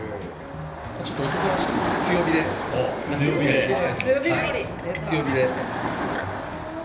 ちょっと男らしく強火で焼いていきたいと思います。